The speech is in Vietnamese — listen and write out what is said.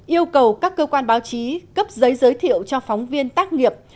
yêu cầu các cơ quan báo chí cấp giấy giới thiệu cho phóng viên tác nghiệp